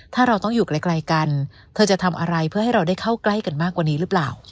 ถ้าเราต้องอยู่ไกลกันเธอจะทำอะไรเพื่อให้เราได้เข้าใกล้กันมากกว่านี้หรือเปล่า